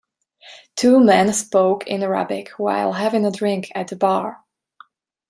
Two men spoke in Arabic while having a drink at the bar.